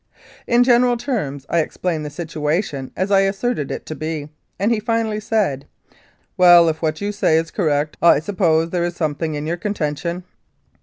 In general terms I explained the situation as I asserted it to be, and he finally said, " Well, if what you say is correct, I suppose there is something in your contention."